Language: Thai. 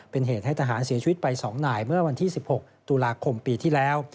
เป็นเหตุให้ทหารเสียชีวิตไป๒นายเมื่อวันที่๑๖ตุลาคมปีที่แล้ว